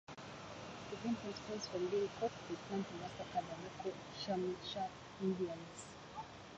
To prevent themselves from being caught, they plan to massacre the local Chumash Indians.